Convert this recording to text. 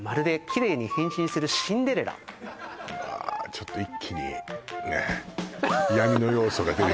ちょっと一気にねえあれ？